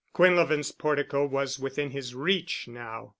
Quinlevin's portico was within his reach now.